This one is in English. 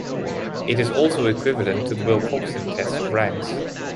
It is also equivalent to the Wilcoxon test of ranks.